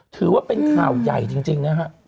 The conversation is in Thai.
ถือว่าเป็นข่าวใหญ่จริงนะฮะ